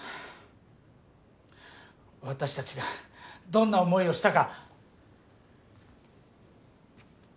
私たちがどんな思いをしたか。